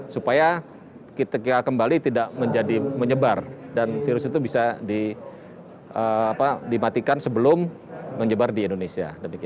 supaya kita kembali tidak menjadi menyebar dan virus itu bisa dimatikan sebelum menyebar di indonesia